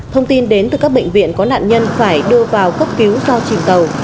thông tin đến từ các bệnh viện có nạn nhân phải đưa vào cấp cứu do chìm tàu